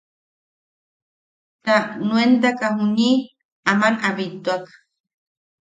Ta nuentaka juniʼi aman a bittuak.